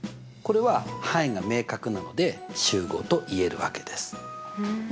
これは範囲が明確なので集合と言えるわけです。